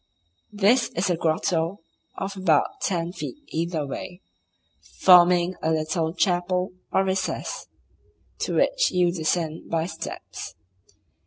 This is a grotto of about ten feet either way, forming a little chapel or recess, to which you descend by steps.